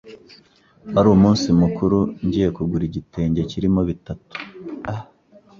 wari umunsi mukuru, ngiye kugura igitenge kirimo bitatu